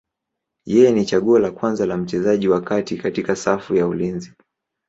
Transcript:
Yeye ni chaguo la kwanza la mchezaji wa kati katika safu ya ulinzi.